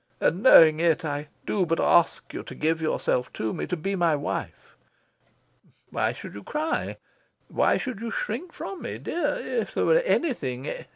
And, knowing it, I do but ask you to give yourself to me, to be my wife. Why should you cry? Why should you shrink from me? Dear, if there were anything...